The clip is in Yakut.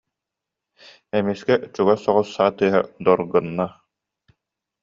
Эмискэ чугас соҕус саа тыаһа «дор» гынна